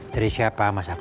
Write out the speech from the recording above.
dari siapa mas apri